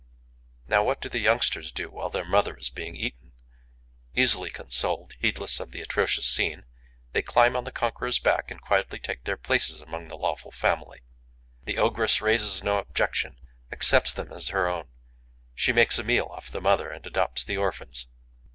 Now what do the youngsters do, while their mother is being eaten? Easily consoled, heedless of the atrocious scene, they climb on the conqueror's back and quietly take their places among the lawful family. The ogress raises no objection, accepts them as her own. She makes a meal off the mother and adopts the orphans.